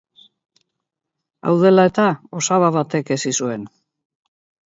Hau dela eta, osaba batek hezi zuen.